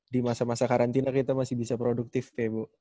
di masa masa karantina kita masih bisa produktif ya bu